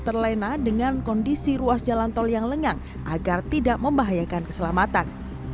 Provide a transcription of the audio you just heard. terlena dengan kondisi ruas jalan tol yang lengang agar tidak membahayakan keselamatan